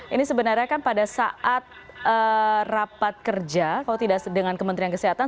ini sebenarnya kan pada saat rapat kerja kalau tidak dengan kementerian kesehatan